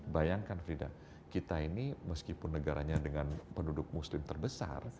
bayangkan frida kita ini meskipun negaranya dengan penduduk muslim terbesar